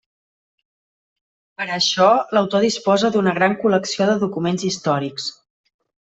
Per a això, l'autor disposa d'una gran col·lecció de documents històrics.